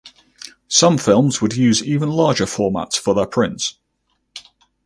Some films would use even larger formats for their prints.